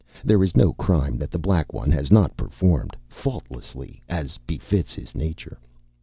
There is no crime that The Black One has not performed faultlessly, as befits his nature.